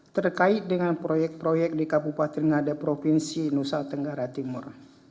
terkait dengan proyek proyek di kabupaten ngada provinsi nusa tenggara timur